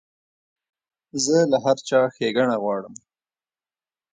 زه له هر چا ښېګڼه غواړم.